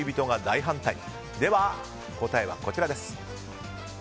答えはこちらです。